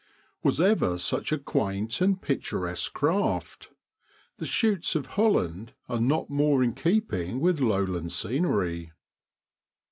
Was ever such a quaint and picturesque craft? The schuits of Holland are not more in keeping with lowland scenery.